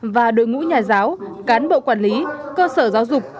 và đội ngũ nhà giáo cán bộ quản lý cơ sở giáo dục